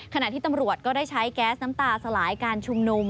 ขณะที่ตำรวจก็ได้ใช้แก๊สน้ำตาสลายการชุมนุม